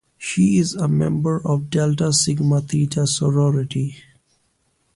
She is a member of Delta Sigma Theta sorority.